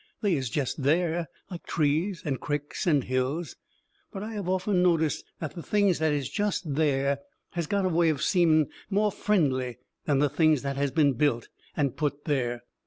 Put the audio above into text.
They is jest there, like trees and cricks and hills. But I have often noticed that the things that is jest there has got a way of seeming more friendly than the things that has been built and put there.